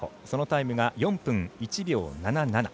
そのタイムが４分１秒７７。